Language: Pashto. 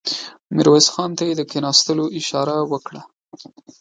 ميرويس خان ته يې د کېناستلو اشاره وکړه.